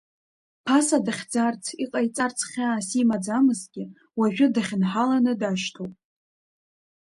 Ԥаса дахьӡарц, иҟаиҵарц хьаас имаӡамызгьы, уажәы дахьынҳаланы дашьҭоуп.